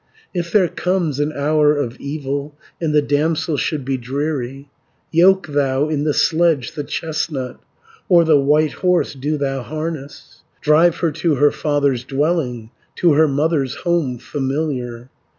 140 If there comes an hour of evil, And the damsel should be dreary Yoke thou in the sledge the chestnut, Or the white horse do thou harness, Drive her to her father's dwelling, To her mother's home familiar.